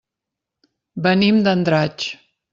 Venim d'Andratx.